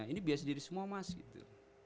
ini biasa diri semua mas gitu